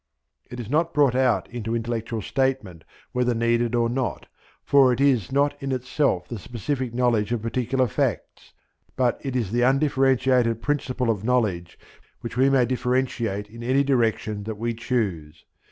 It is not brought out into intellectual statement whether needed or not; for it is not in itself the specific knowledge of particular facts, but it is the undifferentiated principle of knowledge which we may differentiate in any direction that we choose.